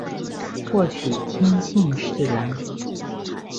或许天性使然